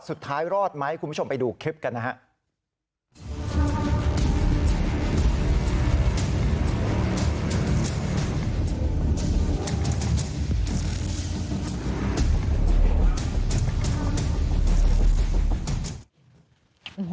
สุดท้ายรอดไหมคุณผู้ชมไปดูคลิปกันนะครับ